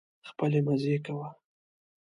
خپلې مزې کوه.